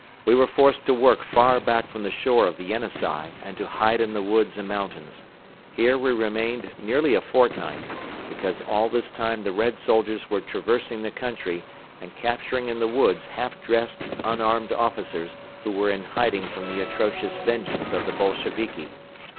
We were forced to work far back from the shore of the Yenisei and to hide in the woods and mountains. Here we remained nearly a fortnight, because all this time the Red soldiers were traversing the country and capturing in the woods half dressed unarmed officers who were in hiding from the atrocious vengeance of the Bolsheviki.